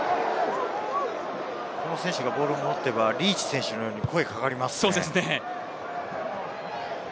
この選手がボールを持てば、リーチ選手のように声がかかりますね。